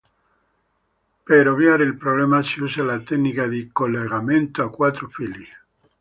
Per ovviare al problema si usa la tecnica di "collegamento a quattro fili".